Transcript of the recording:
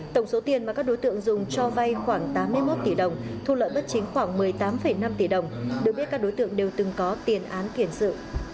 tổng số tiền mà các đối tượng dùng cho vay khoảng tám mươi một tỷ đồng thu lợi bất chính khoảng một mươi tám năm tỷ đồng được biết các đối tượng đều từng có tiền án kiển sự